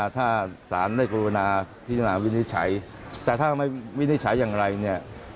ถ้าสารได้กรุณาพิจารณาวินิจฉัยแต่ถ้าไม่วินิจฉัยอย่างไรเนี่ย